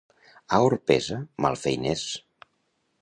A Orpesa, malfeiners.